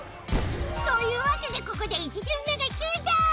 というわけでここで１巡目が終了